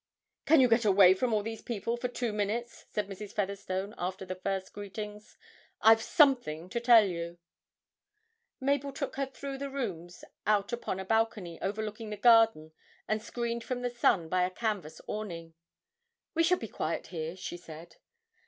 'Can you get away from all these people for two minutes?' said Mrs. Featherstone, after the first greetings; 'I've something to tell you.' Mabel took her through the rooms out upon a balcony overlooking the garden and screened from the sun by a canvas awning. 'We shall be quiet here,' she said.